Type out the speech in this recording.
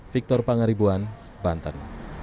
victor pangaribuan banten